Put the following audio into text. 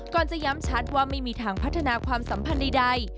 จะย้ำชัดว่าไม่มีทางพัฒนาความสัมพันธ์ใด